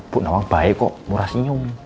bu nawang baik kok murah senyum